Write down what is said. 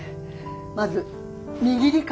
まず握り方だよ。